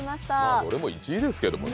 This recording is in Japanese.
どれも１位でしたけどね。